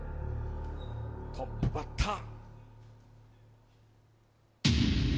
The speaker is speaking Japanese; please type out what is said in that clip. トップバッター。